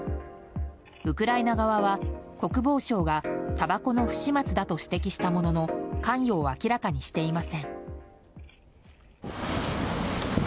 ウクライナ側は国防相がたばこの不始末だと指摘したものの関与を明らかにしていません。